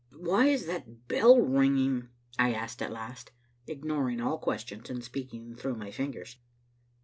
" Why is that bell ringing?" I asked at last, ignoring all questions and speaking through my fingers.